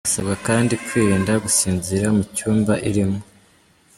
Basabwa kandi kwirinda gusinzirira mu cyumba irimo.